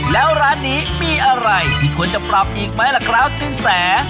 แล้วร้านนี้มีอะไรที่ควรจะปรับอีกไหมล่ะครับสินแส